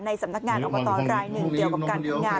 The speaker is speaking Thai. สำนักงานอบตรายหนึ่งเกี่ยวกับการทำงาน